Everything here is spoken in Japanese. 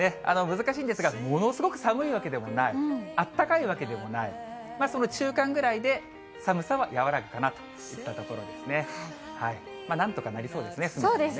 難しいんですが、ものすごく寒いわけでもない、あったかいわけでもない、その中間ぐらいで、寒さは和らぐかなといったところですかね。